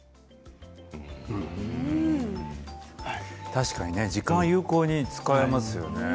確かに時間を有効に使えますよね。